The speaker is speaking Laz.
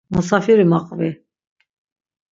Musafiri maqvi.